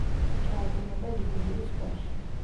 ჩაედინება ლიგურიის ზღვაში.